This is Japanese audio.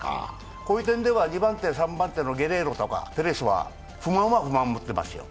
こういう点では２番手、３番手のゲレーロとかペレスは不満を持ってますよ。